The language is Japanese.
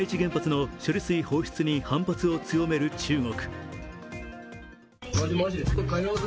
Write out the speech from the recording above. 福島第一原発の処理水放出に反発を強める中国。